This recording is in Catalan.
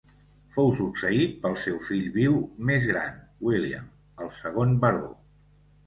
Fou succeït pel seu fill viu més gran, William, el segon baró.